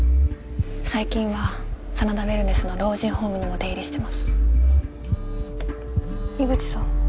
最近は真田ウェルネスの老人ホームにも出入りしてます井口さん